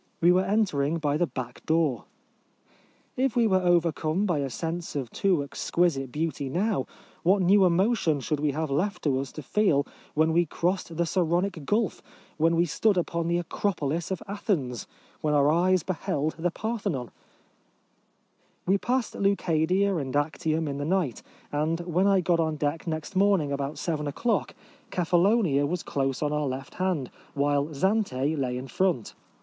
We were entering by the back door. If we were overcome by a sense of too exquisite beauty now, what new emotion should we have left us to feel when we crossed the Saronic Gulf, Avhen we stood upon the Acropolis of Athens, when our eyes beheld the Parthenon 1 We passed Leucadia and Actium in the night; and when I got on deck next morning about seven o'clock, Kephallonia was close on our left hand, while Zante lay in front.